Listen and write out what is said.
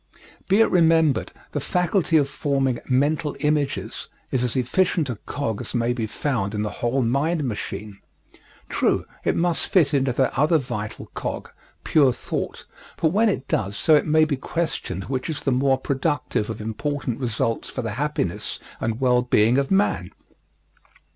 Be it remembered, the faculty of forming mental images is as efficient a cog as may be found in the whole mind machine. True, it must fit into that other vital cog, pure thought, but when it does so it may be questioned which is the more productive of important results for the happiness and well being of man.